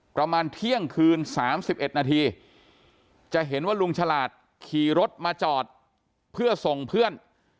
ประมาณเที่ยงคืน๓๑นาทีจะเห็นว่าลุงฉลาดขี่รถมาจอดเพื่อส่งเพื่อน